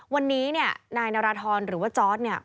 วันนี้เนี่ยนายนาราธรหรือว่าจอร์ดเนี่ย